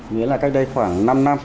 nghĩa là cách đây khoảng năm năm